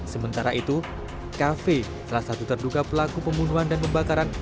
sementara itu kafe salah satu terduga pelaku pembunuhan dan pembakaran